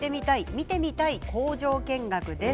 見てみたい工場見学です。